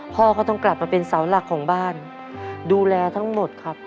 พ่อก็ต้องกลับมาเป็นเสาหลักของบ้านดูแลทั้งหมดครับ